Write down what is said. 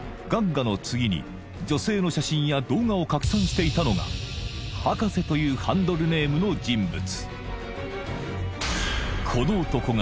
神神の次に女性の写真や動画を拡散していたのが博士というハンドルネームの人物